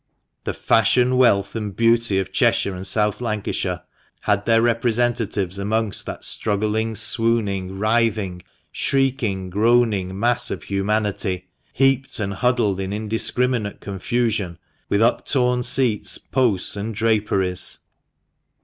The fashion, wealth, and beauty of Cheshire and South Lancashire had their representatives amongst that struggling swooning, writhing, shrieking, groaning mass of humanity, heaped and huddled in indiscriminate confusion, with up torn seats, posts, and draperies.